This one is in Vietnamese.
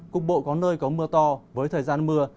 cục bộ có nơi có mưa to với thời gian mưa